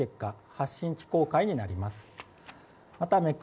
発震機構解になります。